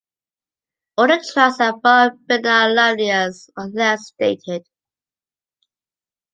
All the tracks are from Bernard Lavilliers, unless stated.